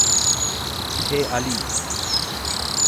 হে Ali!